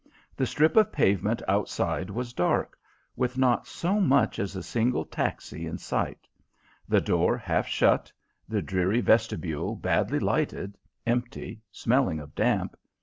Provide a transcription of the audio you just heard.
The strip of pavement outside was dark, with not so much as a single taxi in sight; the door half shut, the dreary vestibule badly lighted, empty, smelling of damp.